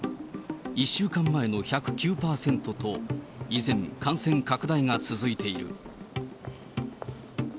１週間前の１０９％と、依然、感染拡大が続いている。